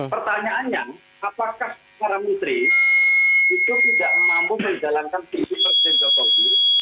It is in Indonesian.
pertanyaannya apakah para menteri itu tidak mampu menjalankan visi presiden jokowi